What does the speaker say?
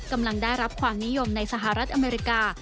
กำลังได้รับความนิยมในสหรัฐอเมริกา